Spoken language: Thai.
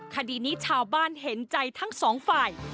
คดีนี้ชาวบ้านเห็นใจทั้งสองฝ่าย